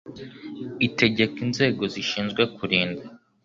itegeka inzego zishinzwe kurinda